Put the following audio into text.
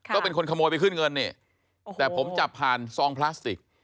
ก็เป็นคนขโมยไปขึ้นเงินนี่แต่ผมจับผ่านซองพลาสติก